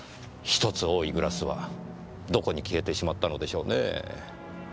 １つ多いグラスはどこに消えてしまったのでしょうねぇ。